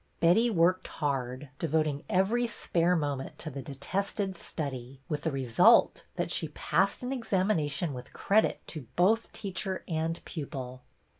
Betty worked hard, devoting every spare moment to the detested study, with the result that slie passed an ex amination with credit to both teacher and pupil.